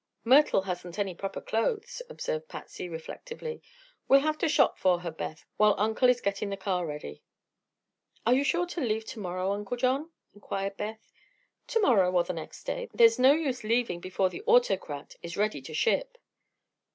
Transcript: "Myrtle hasn't any proper clothes," observed Patsy, reflectively. "We'll have to shop for her, Beth, while Uncle is getting the car ready." "Are you sure to leave to morrow, Uncle John?" inquired Beth. "To morrow or the next day. There's no use leaving before the 'Autocrat' is ready to ship."